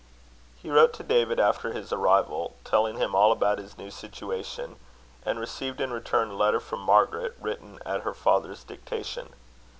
He wrote to David after his arrival, telling him all about his new situation; and received in return a letter from Margaret, written at her father's dictation.